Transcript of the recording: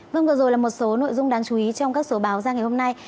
vâng vừa rồi là một số nội dung đáng chú ý trong các số báo ra ngày hôm nay